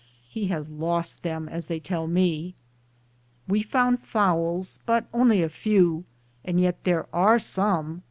He has lost them, as they tell me. We found fowls, but only a few, and yet there are some.